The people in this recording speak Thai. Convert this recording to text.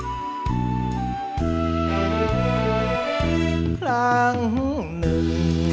ไม่ใช้ครับไม่ใช้ครับ